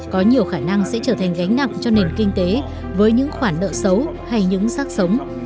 có nhiều khả năng sẽ trở thành gánh nặng cho nền kinh tế với những khoản nợ xấu hay những sát sống